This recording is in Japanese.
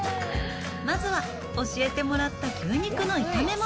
まずは、教えてもらった牛肉の炒め物。